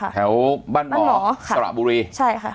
แถวบ้านหมอสระบุรีใช่ค่ะ